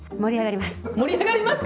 盛り上がります。